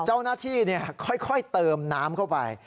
เจ้าหน้าที่ค่อยเติมน้ำเข้าไป